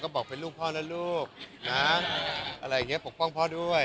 บอกเป็นลูกพ่อนะลูกนะอะไรอย่างนี้ปกป้องพ่อด้วย